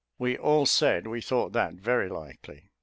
We all said we thought that very likely.